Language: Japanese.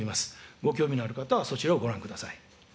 ご興味のある方はそちらをご覧ください。